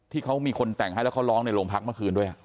ที่เขามีคนแต่งให้แล้วเขาร้องในโรงพักเมื่อคืนด้วย